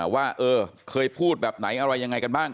ว่าเคยพูดแบบไหนไงบ้าง